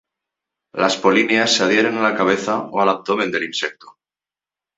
Las polinias se adhieren a la cabeza o al abdomen del insecto.